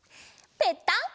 ぺったんこ！